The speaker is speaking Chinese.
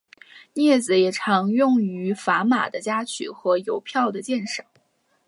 镊子也常用于砝码的夹取和邮票的鉴赏。